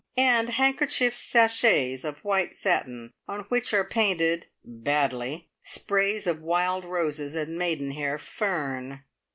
and handkerchief sachets of white satin, on which are painted (badly) sprays of wild roses and maidenhair fern!